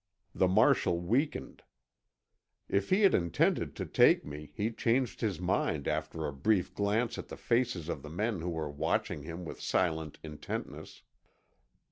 The marshal weakened. If he had intended to take me he changed his mind after a brief glance at the faces of the men who were watching him with silent intentness.